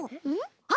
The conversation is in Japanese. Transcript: あっ！